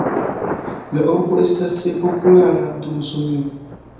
La urbo estas tre populara dum somero.